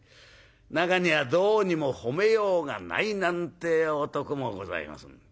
中にはどうにも褒めようがないなんて男もございます。